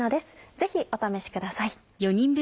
ぜひお試しください。